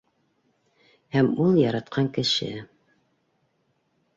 Һәм ул яратҡан кеше...